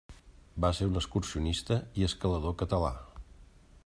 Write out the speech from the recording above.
Va ser un excursionista i escalador català.